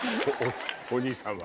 お兄さんは。